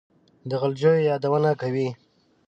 د غلجیو یادونه کوي.